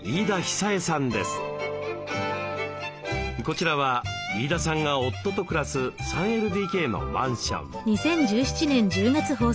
こちらは飯田さんが夫と暮らす３ＬＤＫのマンション。